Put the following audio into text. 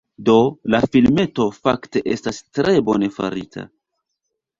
Do, la filmeto fakte estas tre bone farita